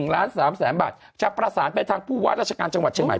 ล้าน๓แสนบาทจะประสานไปทางผู้ว่าราชการจังหวัดเชียงใหม่